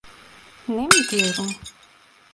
Ne mi diyorum?